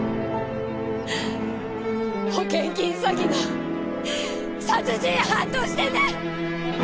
保険金詐欺の殺人犯としてね！